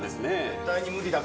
絶対に無理だ。